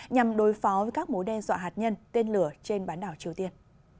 nhằm đối phó với các mối đe dọa hạt nhân tên lửa trên bán đảo triều tiên